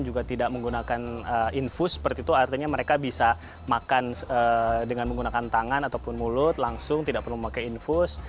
juga tidak menggunakan infus seperti itu artinya mereka bisa makan dengan menggunakan tangan ataupun mulut langsung tidak perlu memakai infus